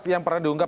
yang pernah diungkap